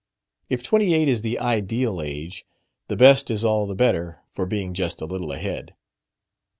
If twenty eight is the ideal age, the best is all the better for being just a little ahead.